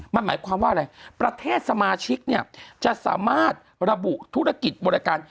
มันหมายความว่าอะไรประเทศสมาชิกเนี่ยจะสามารถระบุธุรกิจบริการ